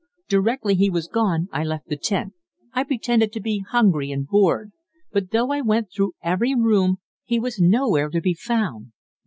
Directly he was gone, I left the tent I pretended to be hungry and bored; but, though I went through every room, he was nowhere to be found.